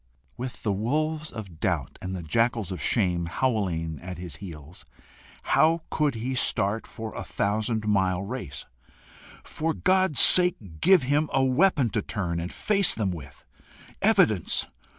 With the wolves of doubt and the jackals of shame howling at his heels, how could he start for a thousand mile race! For God's sake give him a weapon to turn and face them with! Evidence!